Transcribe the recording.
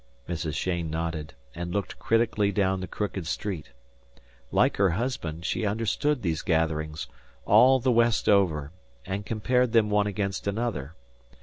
Mrs. Cheyne nodded, and looked critically down the crooked street. Like her husband, she understood these gatherings, all the West over, and compared them one against another.